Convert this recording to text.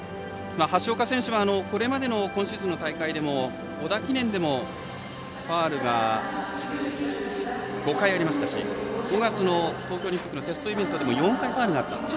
橋岡選手がこれまでの今シーズン、大会でも織田記念でもファウルが５回ありましたし５月の東京オリンピックのテストでもファウルがありましたね